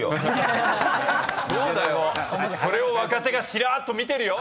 それを若手がしらっと見てるよ。